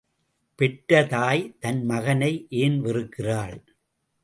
பெற்ற தாய் தன் மகனை ஏன் வெறுக்கிறாள்?